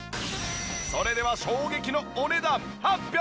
それでは衝撃のお値段発表です！